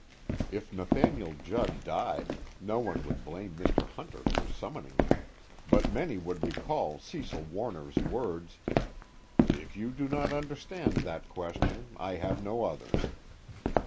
If Nathaniel Judd died, no one would blame Mr. Hunter for summoning him, but many would recall Cecil Warner's words: "If you do not understand that question, I have no others."